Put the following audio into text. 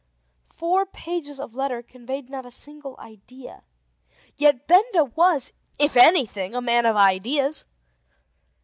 Four pages of letter conveyed not a single idea. Yet Benda was, if anything, a man of ideas.